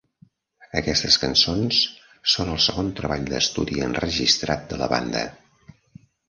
Aquestes cançons són el segon treball d'estudi enregistrat de la banda.